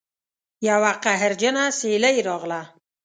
یوه قهرجنه سیلۍ راغله